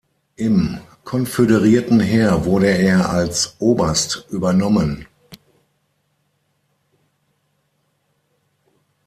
Im konföderierten Heer wurde er als Oberst übernommen.